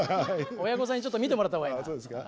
親御さんにちょっと見てもらった方がいいから。